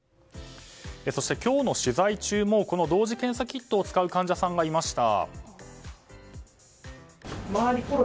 そして今日の取材中も同時検査キットを使う患者さんがいました。